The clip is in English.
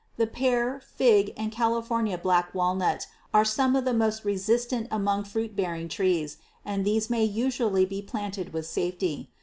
The pear, fig and California black walnut are some of the most resistant among fruit bearing trees, and these may usually be planted with safety.